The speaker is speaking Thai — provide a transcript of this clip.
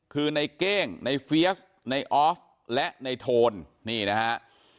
คือในเก้งในเฟียสในออฟและในโทนนี่นะฮะ